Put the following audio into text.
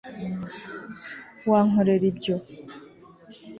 wankorera ibyo